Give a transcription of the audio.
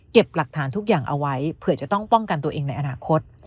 หลักฐานทุกอย่างเอาไว้เผื่อจะต้องป้องกันตัวเองในอนาคต